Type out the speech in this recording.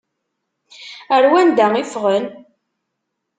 Ar wanda i ffɣen?